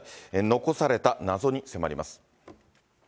残された謎に迫ります。